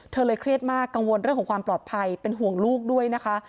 เธอเลยเครียดมากกังวลเรื่องของความปลอดภัยเป็นห่วงลูกด้วยนะคะ